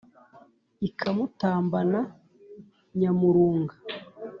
ikamutambana nyamurunga.